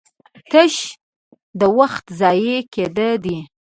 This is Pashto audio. تش د وخت ضايع کېده دي